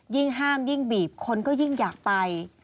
ยิ่งห้ามยิ่งบีบคนก็ยิ่งอยากไป